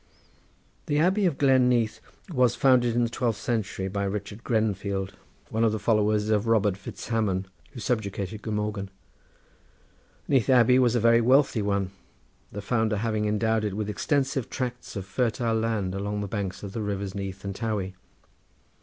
The Abbey of Glen Neath was founded in the twelfth century by Richard Grenfield, one of the followers of Robert Fitzhamon, who subjugated Glamorgan. Neath Abbey was a very wealthy one, the founder having endowed it with extensive tracts of fertile land along the banks of the rivers Neath and Tawy.